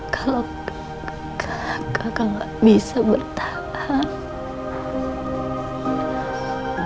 kalau kakak gak bisa bertahan